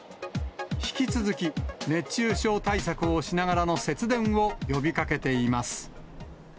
引き続き、熱中症対策をしながらの節電を呼びかけています。